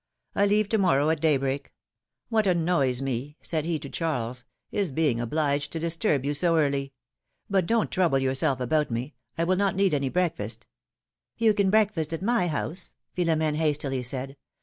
I leave to morrow at daybreak. What annoys me," said he to Charles, ^^is being obliged to disturb you so early; but don't trouble yourself about me; I will not need any breakfast —" "You can breakfast at my house," Philomene hastily said.